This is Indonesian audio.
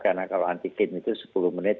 karena kalau antikin itu sepuluh menit